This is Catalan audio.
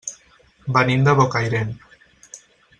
Venim de Bocairent.